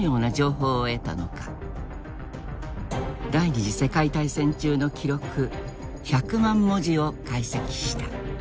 第二次世界大戦中の記録１００万文字を解析した。